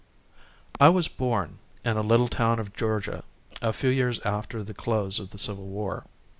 I was born in a little town of Georgia a few years after the close of the Civil War.